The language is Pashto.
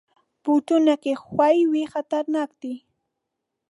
بوټونه که ښوی وي، خطرناک دي.